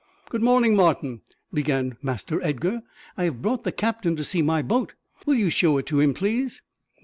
"Good morning, Martin," began Master Edgar. "I have brought the captain to see my boat. Will you show it him, please?"